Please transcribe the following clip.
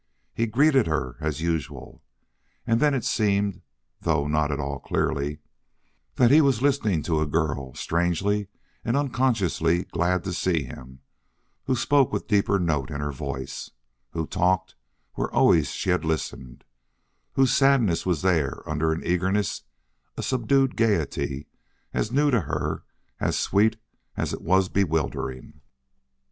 He greeted her as usual. And then it seemed, though not at all clearly, that he was listening to a girl, strangely and unconsciously glad to see him, who spoke with deeper note in her voice, who talked where always she had listened, whose sadness was there under an eagerness, a subdued gaiety as new to her, as sweet as it was bewildering.